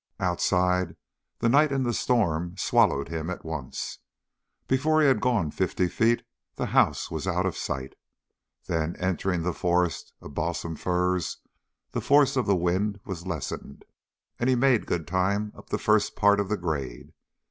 Outside, the night and the storm swallowed him at once. Before he had gone fifty feet the house was out of sight. Then, entering the forest of balsam firs, the force of the wind was lessened, and he made good time up the first part of the grade.